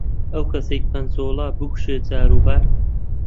ئەو کەسەی پەنجۆڵە بکوشێ جاروبار،